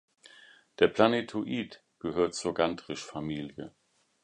Der Planetoid gehört zur Gantrisch-Familie.